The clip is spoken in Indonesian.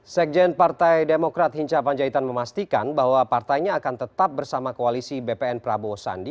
sekjen partai demokrat hinca panjaitan memastikan bahwa partainya akan tetap bersama koalisi bpn prabowo sandi